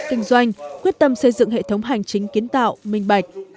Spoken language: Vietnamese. kinh doanh quyết tâm xây dựng hệ thống hành chính kiến tạo minh bạch